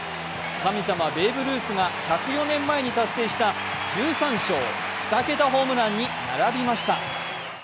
神様、ベーブ・ルースが１０４年前に達成した１３勝・２桁ホームランに並びました。